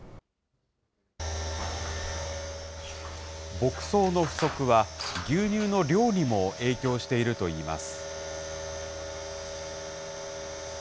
牧草の不足は、牛乳の量にも影響しているといいます。